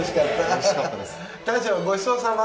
大将ごちそうさま